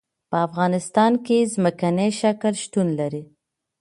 په افغانستان کې ځمکنی شکل شتون لري.